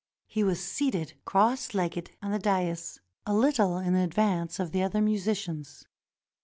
He was seated cross legged on the dais, a little in advance of the other musicians.